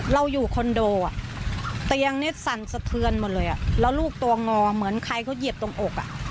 เราอยู่คอนโดอ่ะเตียงนี้สั่นสะเทือนหมดเลยแล้วลูกตัวงอเหมือนใครเขาเหยียบตรงอก